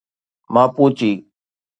ماپوچي